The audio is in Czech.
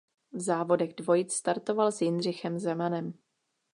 V závodech dvojic startoval s Jindřichem Zemanem.